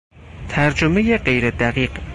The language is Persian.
ترجمهی غیردقیق